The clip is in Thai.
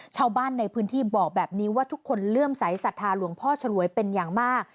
ชาวบ้านในพื้นที่บอกแบบนี้ว่าทุกคนเลื่อมใสสัทธาหลวงพ่อฉลวยเป็นอย่างมาก